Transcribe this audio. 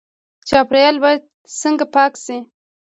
چاپیریال باید څنګه پاک شي؟